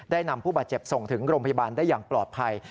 นำผู้บาดเจ็บส่งถึงโรงพยาบาลได้อย่างปลอดภัย